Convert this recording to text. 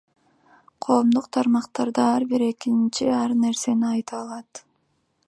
Коомдук тармактарда ар бир экинчи ар нерсени айта алат.